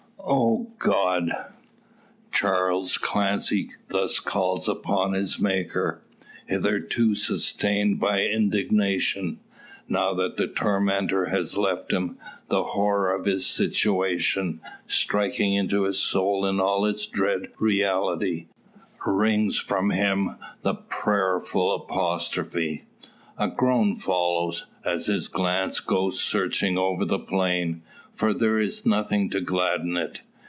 "O God!" Charles Clancy thus calls upon his Maker. Hitherto sustained by indignation, now that the tormentor has left him, the horror of his situation, striking into his soul in all its dread reality, wrings from him the prayerful apostrophe. A groan follows, as his glance goes searching over the plain. For there is nothing to gladden it.